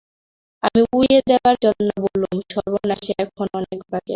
আমি উড়িয়ে দেবার জন্য বললুম, সর্বনাশের এখনো অনেক বাকি আছে।